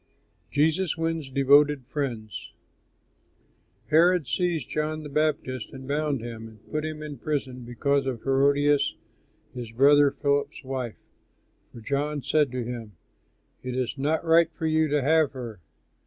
JESUS WINS DEVOTED FRIENDS Herod seized John the Baptist and bound him, and put him in prison because of Herodias, his brother Philip's wife, for John said to him, "It is not right for you to have her."